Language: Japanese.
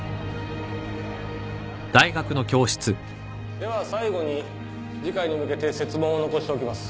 では最後に次回に向けて設問を残しておきます。